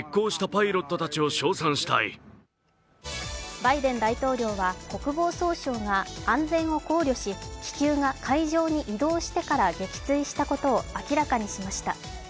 バイデン大統領は国防総省が安全を考慮し気球が海上に移動してから撃墜したことを明らかにしました。